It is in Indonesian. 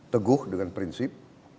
teguh dengan prinsip